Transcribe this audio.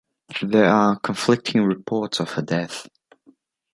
There are conflicting reports of her death.